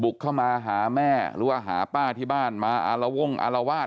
เข้ามาหาแม่หรือว่าหาป้าที่บ้านมาอารวงอารวาส